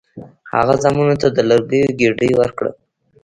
هغه زامنو ته د لرګیو ګېډۍ ورکړه.